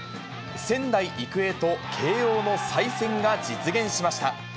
仙台育英と慶応の再戦が実現しました。